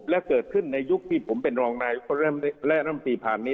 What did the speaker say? และเกิดขึ้นในยุคที่ผมเป็นรองนายและร่ำตีผ่านนี้